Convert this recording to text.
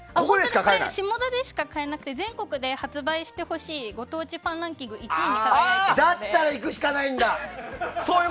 下田でしか買えなくて全国で発売してほしいご当地パンランキングのだったら行くしかないんだ！